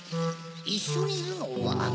いっしょにいるのは。